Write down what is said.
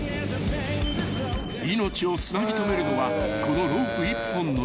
［命をつなぎ留めるのはこのロープ１本のみ］